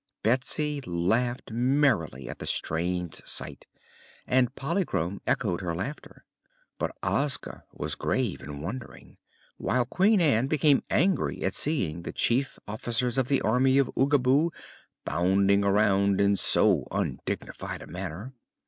Betsy laughed merrily at the strange sight and Polychrome echoed her laughter. But Ozga was grave and wondering, while Queen Ann became angry at seeing the chief officers of the Army of Oogaboo bounding around in so undignified a manner.